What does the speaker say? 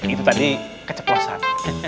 itu tadi keceplosan